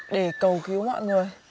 để cầu cứu mọi người